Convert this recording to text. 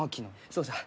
そうじゃ。